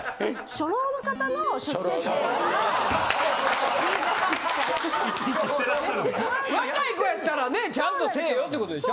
・初老・若い子やったらねちゃんとせえよっていうことでしょ。